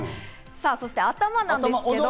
そして頭なんですけど。